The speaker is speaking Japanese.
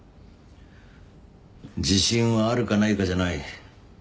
自信はあるかないかじゃない。